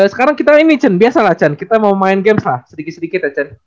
sekarang kita ini chan biasa lah chan kita mau main games lah sedikit sedikit ya chan